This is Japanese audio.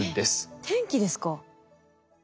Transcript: えっ天気ですか？